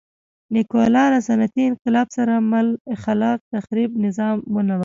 نیکولای له صنعتي انقلاب سره مل خلاق تخریب نظام ونړوي.